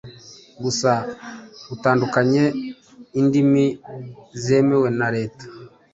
Gusa utandukanye indimi zemewe na Leta